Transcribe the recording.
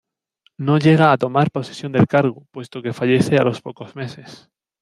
No llega a tomar posesión del cargo puesto que fallece a los pocos meses.